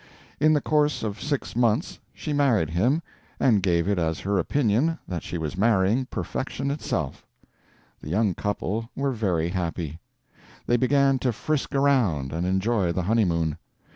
In the course of six months she married him, and gave it as her opinion that she was marrying perfection itself. The young couple were very happy. They began to frisk around and enjoy the honeymoon.